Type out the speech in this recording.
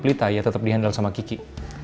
pelita tetep dihandal sama kiki